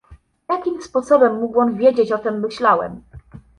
"Jakim sposobem mógł on wiedzieć, o czem myślałem?"